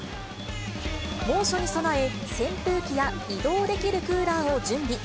猛暑に備え、扇風機や、移動できるクーラーを準備。